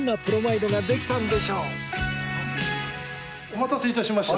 お待たせ致しました。